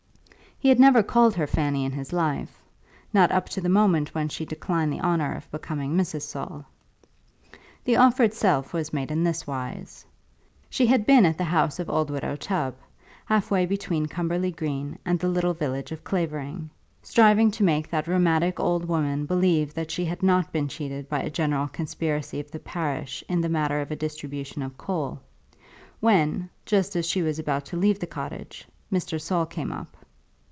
He had never called her Fanny in his life, not up to the moment when she declined the honour of becoming Mrs. Saul. The offer itself was made in this wise. She had been at the house of old Widow Tubb, half way between Cumberly Green and the little village of Clavering, striving to make that rheumatic old woman believe that she had not been cheated by a general conspiracy of the parish in the matter of a distribution of coal, when, just as she was about to leave the cottage, Mr. Saul came up.